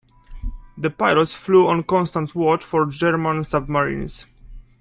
The pilots flew on constant watch for German submarines.